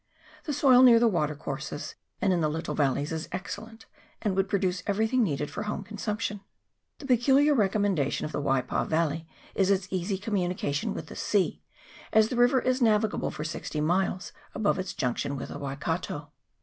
The soil near the watercourses, and in the little valleys, is excellent, and would produce everything needed for home consumption. The peculiar recommendation of the Waipa valley is its easy communication with the sea, as the river is navigable for sixty miles above its junction with the Waikato.